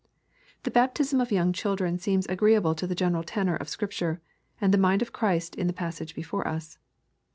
— The baptism of young children seems agreeable to the general tenor of Scripture, and the mind of Christ in the passage before us.